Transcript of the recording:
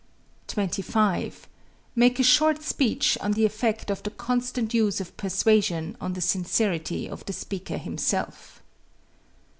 25. Make a short speech on the effect of the constant use of persuasion on the sincerity of the speaker himself.